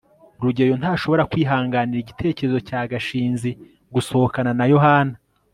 rugeyo ntashobora kwihanganira igitekerezo cya gashinzi gusohokana na yohana